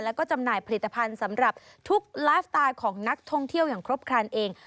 แล้วก็จำหน่ายผลิตภัณฑ์สำหรับทุกไลฟ์สไตล์ของนักท่องเที่ยวอย่างครบครันเอง